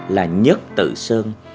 là nhất tự sơn